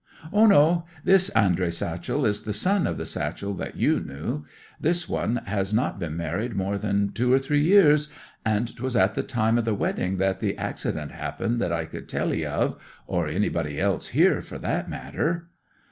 'Ah no; this Andrey Satchel is the son of the Satchel that you knew; this one has not been married more than two or three years, and 'twas at the time o' the wedding that the accident happened that I could tell 'ee of, or anybody else here, for that matter.